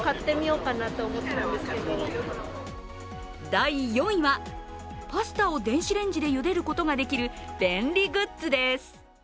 第４位はパスタを電子レンジでゆでることができる便利グッズです。